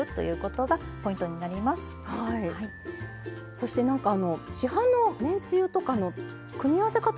そして何か市販のめんつゆとかの組み合わせ方も。